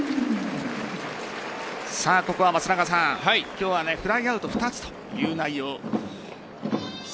ここは、松中さん今日はフライアウト２つという内容。